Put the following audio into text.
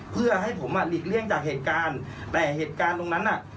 เพื่อให้ผมอ่ะหลีกเลี่ยงจากเหตุการณ์แต่เหตุการณ์ตรงนั้นน่ะ